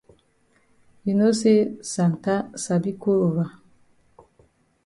You know say Santa sabi cold over.